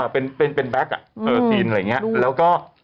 เป็นแบ็คซีนอะไรอย่างนี้แล้วก็